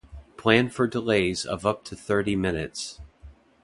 Plan for delays of up to thirty minutes.